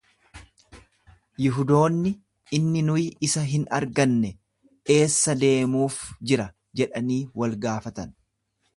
Yihudoonni, Inni nuyi isa hin arganne eessa deemuuf jira jedhanii wal gaafatan.